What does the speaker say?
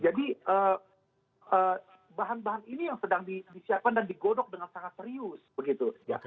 jadi bahan bahan ini yang sedang disiapkan dan digodok dengan sangat serius begitu